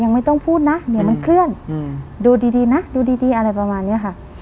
ยังไม่ต้องพูดนะเนี่ยมันเคลื่อนอืมดูดีดีนะดูดีดีอะไรประมาณเนี้ยค่ะ